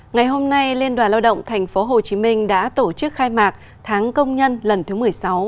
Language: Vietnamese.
ngày hôm nay liên đoàn lao động tp hcm đã tổ chức khai mạc tháng công nhân lần thứ một mươi sáu